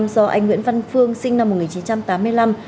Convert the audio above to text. do anh nguyễn văn phương sinh năm một nghìn chín trăm tám mươi năm